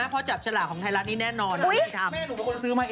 ก็ตรงเวลานะคะ